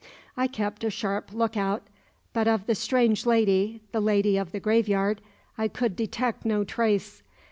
I kept a sharp look out, but of the strange lady the lady of the graveyard I could detect no trace.